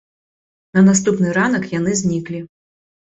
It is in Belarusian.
На наступны ранак яны зніклі.